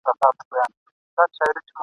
جهالت ته وکتل او د ا غزل مي ولیکل ..